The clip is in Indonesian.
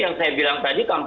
tokoh tokoh masyarakat dan agama